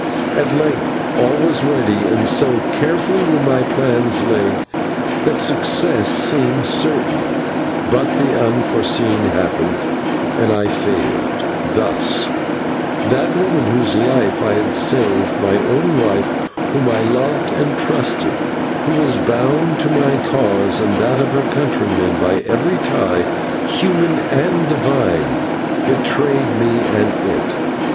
At length all was ready, and so carefully were my plans laid that success seemed certain; but the unforeseen happened, and I failed thus: That woman whose life I had saved, my own wife whom I loved and trusted, who was bound to my cause and that of my countrymen by every tie human and divine, betrayed me and it.